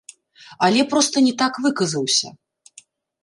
Але проста не так выказаўся.